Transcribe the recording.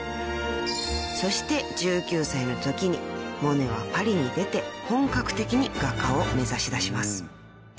［そして１９歳のときにモネはパリに出て本格的に画家を目指しだします］